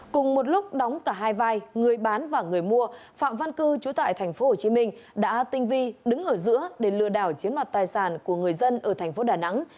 cùng một lúc đóng cả hai vai người bán và người mua phạm văn cư chú tại tp hcm đã tinh vi đứng ở giữa để lừa đảo chiếm mặt tài sản của người dân ở tp đà nẵng